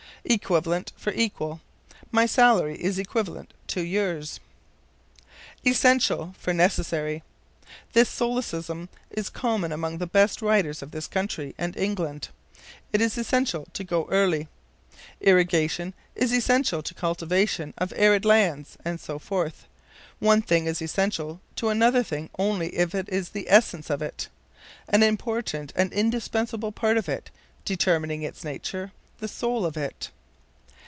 Equivalent for Equal. "My salary is equivalent to yours." Essential for Necessary. This solecism is common among the best writers of this country and England. "It is essential to go early"; "Irrigation is essential to cultivation of arid lands," and so forth. One thing is essential to another thing only if it is of the essence of it an important and indispensable part of it, determining its nature; the soul of it.